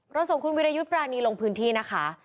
ส่งคุณวิรยุทธ์ปรานีลงพื้นที่นะคะ